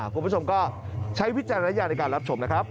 คุณผู้ชมก็ใช้วิจารณญาณในการรับชมนะครับ